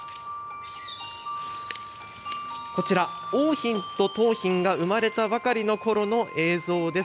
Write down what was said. こちら、桜浜と桃浜が生まれたばかりのころの映像です。